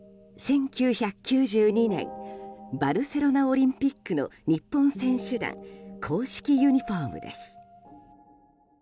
１９９２年バルセロナオリンピックの日本選手団公式ユニホームです。